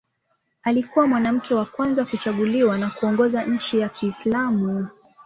Alikuwa mwanamke wa kwanza kuchaguliwa na kuongoza nchi ya Kiislamu.